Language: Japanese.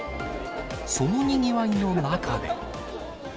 そのにぎわいの中で。